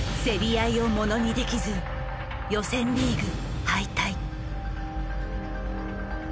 競り合いをものにできず予選リーグ敗退。